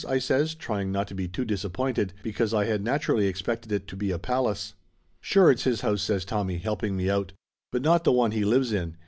I says, trying not to be too disappointed, because I had naturally expected it to be a palace. "Sure it's his house !" says Tommy, helping me out. "But not the one he lives in.